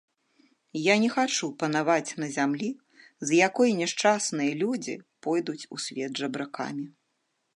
Я не хачу панаваць на зямлі, з якой няшчасныя людзі пойдуць у свет жабракамі.